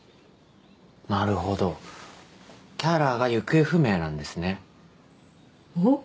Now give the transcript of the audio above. なるほどキャラが行方不明なんですねおっ？